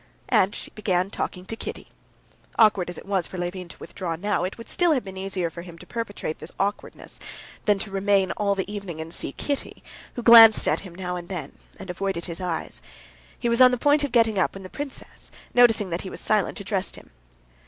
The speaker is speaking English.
And she began talking to Kitty. Awkward as it was for Levin to withdraw now, it would still have been easier for him to perpetrate this awkwardness than to remain all the evening and see Kitty, who glanced at him now and then and avoided his eyes. He was on the point of getting up, when the princess, noticing that he was silent, addressed him.